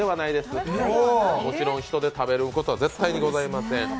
もちろん人で、食べることは絶対にございません。